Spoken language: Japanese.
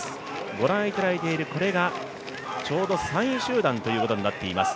ご覧いただいているこれがちょうど３位集団ということになっています。